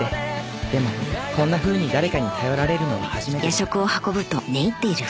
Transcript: でもこんなふうに誰かに頼られるのは初めてで